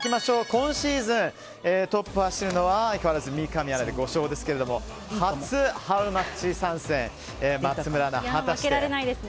今シーズン、トップを走るのは三上アナで５勝ですけれども初ハウマッチ参戦松村アナ、果たして。